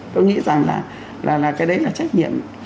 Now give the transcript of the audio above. tôi nghĩ rằng là cái đấy là trách nhiệm